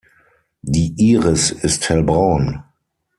Die Iris ist hellbraun.